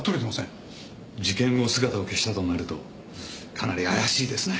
事件後姿を消したとなるとかなり怪しいですね。